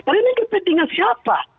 dan ini pentingnya siapa